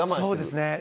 そうですね